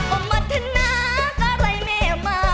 โอ้มัธนากลายแม่มา